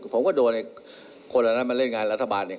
ผมก็โดนคนละนั้นมาเล่นงานรัฐบาล